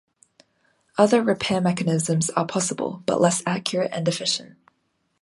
Other repair mechanisms are possible but less accurate and efficient.